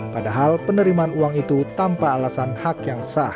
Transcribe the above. padahal penerimaan uang itu tanpa alasan hak yang sah